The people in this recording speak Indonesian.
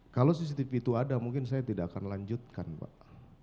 kalau cctv itu ada mungkin saya tidak akan lanjutkan pak